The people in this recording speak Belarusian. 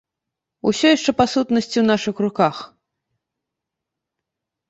Усё яшчэ па сутнасці ў нашых руках.